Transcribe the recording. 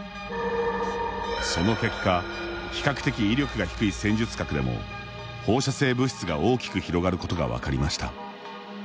その結果、比較的威力が低い戦術核でも放射性物質が大きく広がることが分かりました。